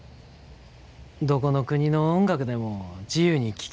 どこの国の音楽でも自由に聴ける。